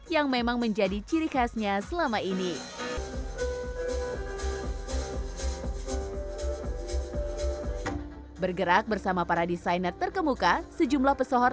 yang memang menjadi ciri khasnya selama ini bergerak bersama para desainer terkemuka sejumlah pesohor